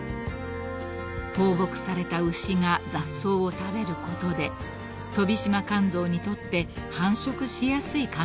［放牧された牛が雑草を食べることでトビシマカンゾウにとって繁殖しやすい環境だったこの島］